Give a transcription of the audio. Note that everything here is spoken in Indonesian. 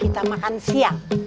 kita makan siang